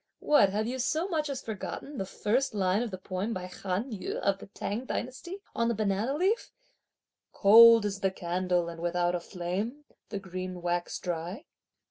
What, have you so much as forgotten the first line of the poem by Han Yü, of the T'ang dynasty, on the Banana leaf: "Cold is the candle and without a flame, the green wax dry?"